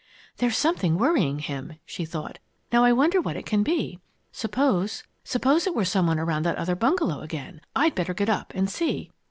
"There's something worrying him!" she thought. "Now I wonder what it can be. Suppose suppose it were some one around that other bungalow again! I'd better get up and see."